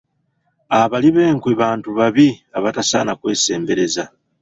Abali b’enkwe bantu babi abatasaana kwesembereza.